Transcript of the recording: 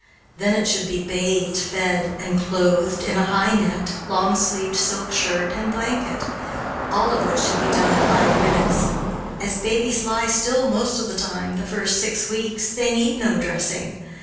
Then it should be bathed, fed, and clothed in a high necked, long sleeved silk shirt and a blanket, all of which could be done in five minutes. As babies lie still most of the time the first six weeks, they need no dressing.